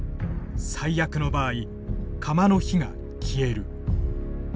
最悪の場合釜の火が消える。